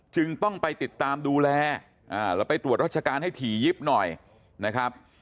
จึงต้องไปติดตามดูแลแล้วไปตรวจราชการให้ถี่ยิบหน่อยนะครับ